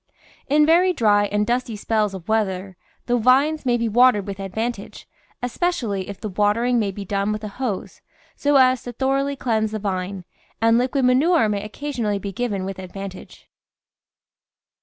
In very dry and dusty spells of weather the vines may be watered with advantage, especially if the watering may be done with a hose, so as to thoroughly cleanse the vine, and liquid manure may occasionally be given with advantage.